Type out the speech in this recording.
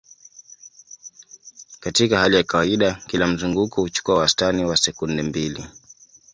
Katika hali ya kawaida, kila mzunguko huchukua wastani wa sekunde mbili.